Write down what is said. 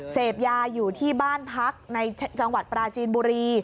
เสพยาอยู่ที่บ้านพักในจังหวัดปราจีนบุรี